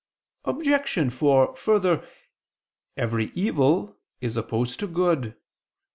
Obj. 4: Further, every evil is opposed to good.